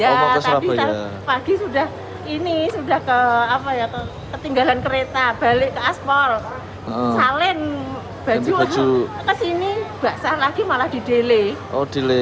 saya mau ke surabaya pagi sudah ketinggalan kereta balik ke aspol salen baju ke sini saat lagi malah di delay